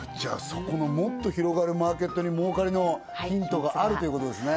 そこのもっと広がるマーケットに儲かりのヒントがあるということですね